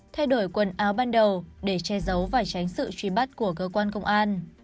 thay đổi quần áo ban đầu để che giấu và tránh sự truy bắt của cơ quan công an